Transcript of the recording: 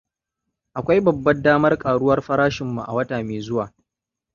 Akwai babbar damar karuwar farashin mu a wata mai zuwa.